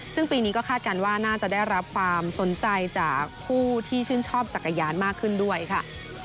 ซึ่งปีนี้ก็คาดการณ์ว่าน่าจะได้รับความสนใจจากผู้ที่ชื่นชอบจักรยานมากขึ้นด้วยค่ะ